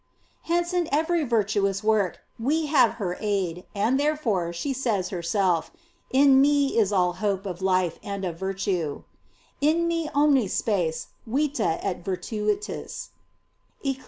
Hence in every virtuous work we can have her aid, and, therefore, she herself says, In me is all hope of life and of virtue: "7n me omnis spes vitcB etvirtuth"\ — Eccli.